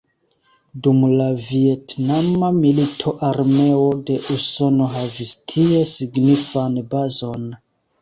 Dum la Vjetnama milito armeo de Usono havis tie signifan bazon.